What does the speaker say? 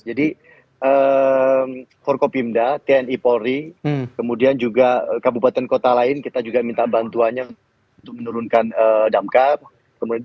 jadi forkopimda tni polri kemudian juga kabupaten kota lain kita juga minta bantuannya untuk menurunkan damkar